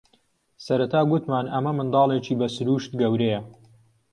سەرەتا گوتمان ئەمە منداڵێکی بە سرووشت گەورەیە